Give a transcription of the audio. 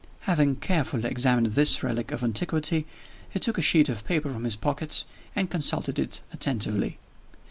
Having carefully examined this relic of antiquity, he took a sheet of paper from his pocket, and consulted it attentively.